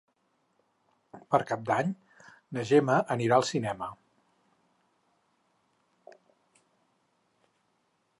Per Cap d'Any na Gemma anirà al cinema.